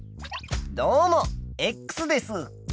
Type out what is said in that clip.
どうもです。